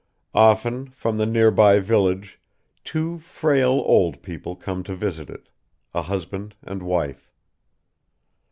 Often from the near by village two frail old people come to visit it a husband and wife.